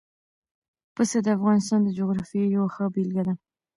پسه د افغانستان د جغرافیې یوه ښه بېلګه ده.